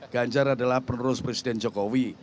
ganjar adalah penerus presiden jokowi